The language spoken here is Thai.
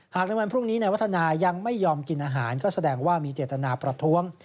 ในวันพรุ่งนี้นายวัฒนายังไม่ยอมกินอาหารก็แสดงว่ามีเจตนาประท้วง